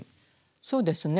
そうですね。